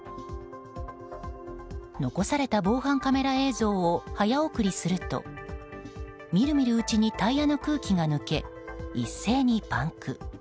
残された防犯カメラ映像を早送りするとみるみるうちにタイヤの空気が抜け一斉にパンク。